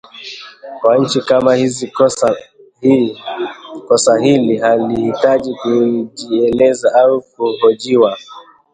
Kwa nchi kama hizi kosa hili halihitaji kujieleza au kuhojiwa